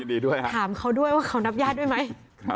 ถามเขาด้วยว่าเขานับญาติด้วยไหม